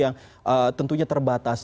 yang tentunya terbatas